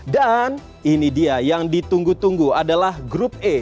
dan ini dia yang ditunggu tunggu adalah grup e